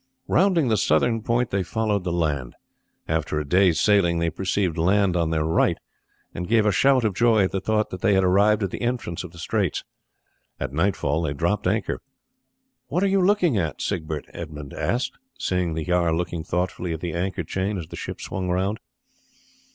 Rounding the southern point they followed the land. After a day's sailing they perceived land on their right, and gave a shout of joy at the thought that they had arrived at the entrance of the straits. At nightfall they dropped anchor. "What are you looking at, Siegbert?" Edmund asked, seeing the jarl looking thoughtfully at the anchor chain as the ship swung round.